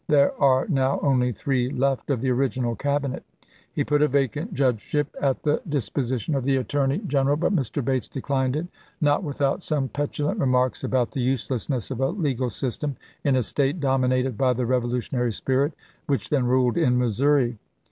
There are now only three left of the original Cabinet." He put a vacant judgeship at the disposition of the Attorney Gen CABINET CHANGES 345 eral ; but Mr. Bates declined it, not without some chap. xv. petulant remarks about the " uselessness of a legal system in a State dominated by the revolutionary spirit which then ruled in Missouri."